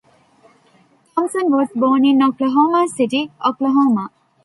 Thompson was born in Oklahoma City, Oklahoma.